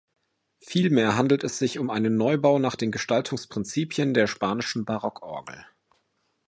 Vielmehr handelt es sich um einen Neubau nach den Gestaltungsprinzipien der spanischen Barockorgel.